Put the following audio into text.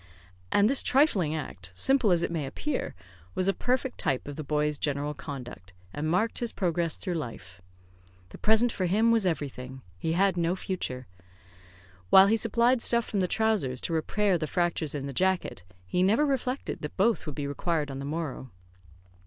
And this trifling act, simple as it may appear, was a perfect type of the boy's general conduct, and marked his progress through life. The present for him was everything; he had no future. While he supplied stuff from the trousers to repair the fractures in the jacket, he never reflected that both would be required on the morrow.